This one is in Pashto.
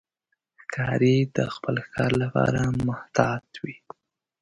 ښکاري د خپل ښکار لپاره محتاط وي.